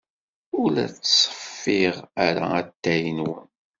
Ur la ttṣeffiɣ ara atay-nwen.